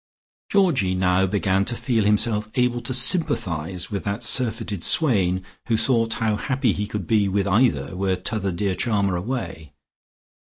Georgie now began to feel himself able to sympathise with that surfeited swain who thought how happy he could be with either, were t'other dear charmer away.